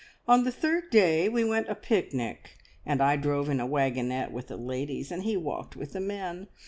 On the third day we went a picnic, and I drove in a wagonette with the ladies, and he walked with the men.